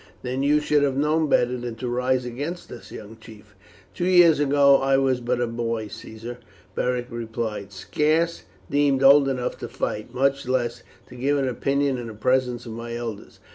"Then you should have known better than to rise against us, young chief." "Two years ago I was but a boy, Caesar," Beric replied, "scarce deemed old enough to fight, much less to give an opinion in the presence of my elders.